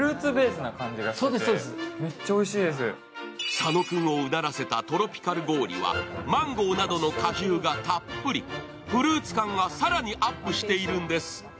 佐野君をうならせたトロピカル氷はマンゴーなどの果汁がたっぷりフルーツ感が更にアップしているんです。